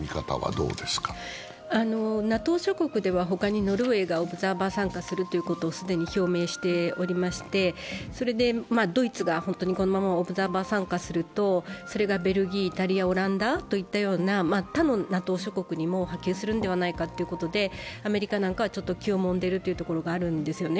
ＮＡＴＯ諸国では他にノルウェーがオブザーバー参加することを既に表明しておりまして、それでドイツがこのままオブザーバー参加すると、それがベルギー、イタリア、オランダといったような他のＮＡＴＯ諸国にも波及するのではないかということでアメリカなんかは気をもんでいるところがあるんですよね。